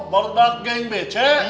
barudak geng becek